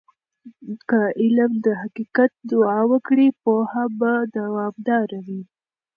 که علم د حقیقت دعا وکړي، پوهه به دوامدار وي.